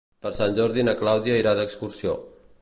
Per Sant Jordi na Clàudia irà d'excursió.